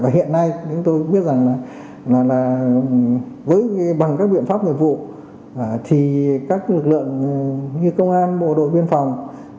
và hiện nay chúng tôi biết rằng là bằng các biện pháp người vụ thì các lực lượng như công an bộ đội biên phòng